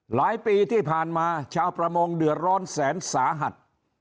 หลายปีที่ผ่านมาชาวประมงเดือดร้อนแสนสาหัส